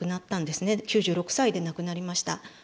９６歳で亡くなりました。